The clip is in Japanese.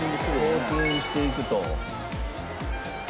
コーティングしていくと。